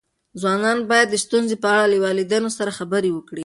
ځوانان باید د ستونزو په اړه له والدینو سره خبرې وکړي.